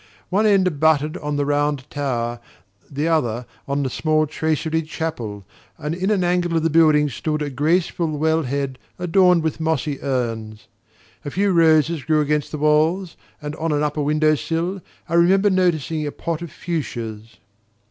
One end abutted on the round tower, the other on the small traceried chapel, and in an angle of the building stood a graceful well head adorned with mossy urns. A few roses grew against the walls, and on an upper window sill I remember noticing a pot of fuchsias.